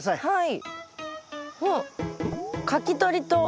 はい。